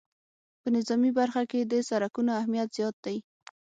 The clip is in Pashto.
په نظامي برخه کې د سرکونو اهمیت ډېر زیات دی